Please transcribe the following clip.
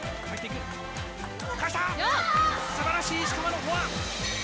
すばらしい石川のフォア！